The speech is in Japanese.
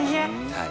はい。